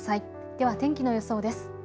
では天気の予想です。